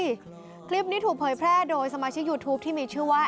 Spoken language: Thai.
คลิปนี้ถูกเผยแพร่โดยสมาชิกยูทูปที่มีชื่อว่า